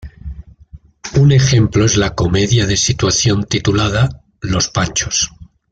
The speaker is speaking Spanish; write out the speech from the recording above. Un ejemplo es la comedia de situación titulada "Los Panchos".